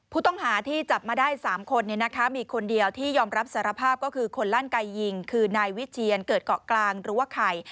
ผู้ต้องหาที่จับมาได้๓คนมีคนเดียวที่ยอมรับสารภาพก็คือคนลั่นไกยิงคือนายวิเชียนเกิดเกาะกลางหรือว่าไข่